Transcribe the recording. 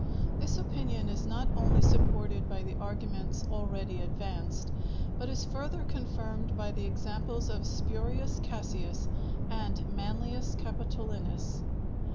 This opinion is not only supported by the arguments already advanced, but is further confirmed by the examples of Spurius Cassius and Manlius Capitolinus.